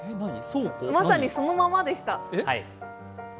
まさに、そのままでした。